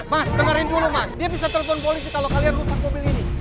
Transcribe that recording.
mas dengerin dulu mas dia bisa telepon polisi kalau kalian lupa mobil ini